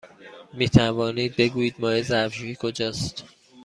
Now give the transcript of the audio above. می توانید بگویید مایع ظرف شویی کجاست؟